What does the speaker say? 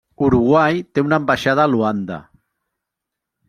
Uruguai té una ambaixada a Luanda.